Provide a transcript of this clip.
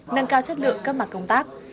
nâng cao chất lượng các mặt công tác